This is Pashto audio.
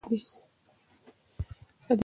ادبي څېړنې د نوي کهول لپاره ډېرې ګټورې دي.